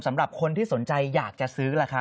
สำหรับคนที่สนใจอยากจะซื้อราคา